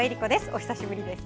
お久しぶりです。